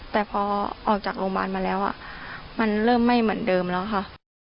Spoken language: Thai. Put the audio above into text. แต่พอออกจากโรงพยาบาลมาแล้วมันเริ่มไม่เหมือนเดิมแล้วค่ะ